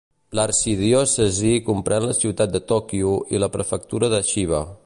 L'arxidiòcesi comprèn la ciutat de Tòquio i la prefectura de Chiba.